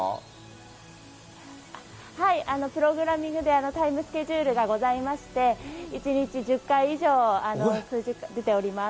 プログラミングでタイムスケジュールがございまして、一日１０回以上出ております。